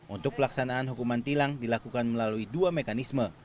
untuk pelaksanaan hukuman tilang dilakukan melalui dua mekanisme